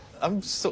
そう？